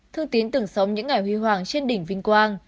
thương tín tưởng sống những ngày huy hoàng trên đỉnh vinh quang